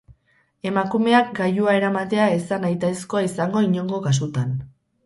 Emakumeak gailua eramatea ez da nahitaezkoa izango inongo kasutan.